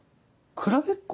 比べっこ？